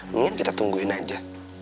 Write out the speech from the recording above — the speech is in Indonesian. mendingan kita tungguin aja